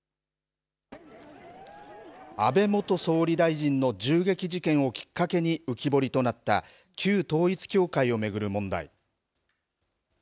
安倍元総理大臣の銃撃事件をきっかけに浮き彫りとなった旧統一協会を巡る問題。